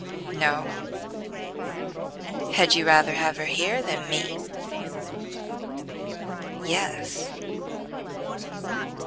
"No." "Had you rather have her here than me?" "Yes."